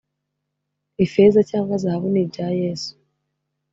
ifeza cyangwa zahabu ni bya yesu